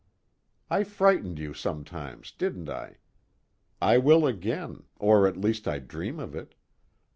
I frightened you sometimes, didn't I? I will again, or at least I dream of it.